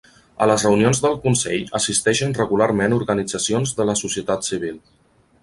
A les reunions del Consell assisteixen regularment organitzacions de la societat civil.